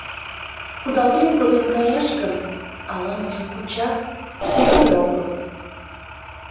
Кудалтен коден каяш гын, ала-можо куча, сӧрале огыл.